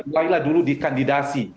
mulailah dulu di kandidasi